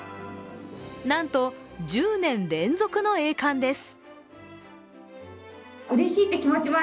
なんと１０年連続の栄冠です。